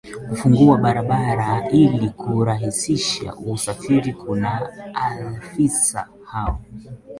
kufungua barabara ili kurahisisha usafiri kuna afisa hao